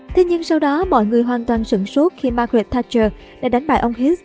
thế nhưng sau đó mọi người hoàn toàn sửn sốt khi margaret thatcher đã đánh bại ông heath